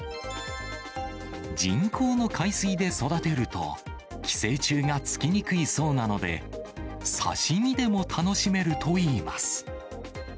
人工の海水で育てると、寄生虫がつきにくいそうなので、刺身でも楽しめるといいます。